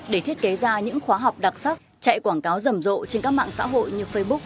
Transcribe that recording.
để thiết kế thông tin